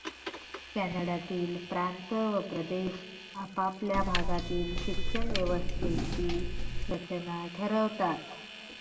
कॅनडातील प्रांत व प्रदेश आपआपल्या भागातील शिक्षणव्यवस्थेची रचना ठरवतात.